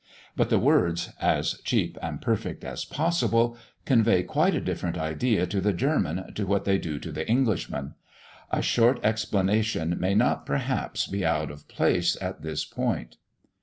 But the words, "as cheap and perfect as possible," convey quite a different idea to the German to what they do to the Englishman. A short explanation may not, perhaps, be out of place at this point.